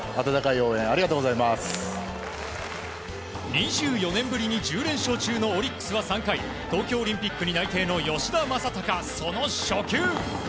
２４年ぶりに１０連勝中のオリックスは３回、東京オリンピックに内定の吉田正尚、その初球。